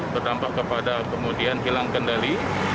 berdampak kepada kemudian hilang kendali